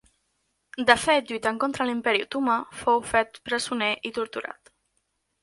De fet, lluitant contra l'Imperi Otomà, fou fet presoner i torturat.